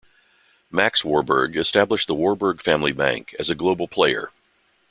Max Warburg established the Warburg family bank as a "global player".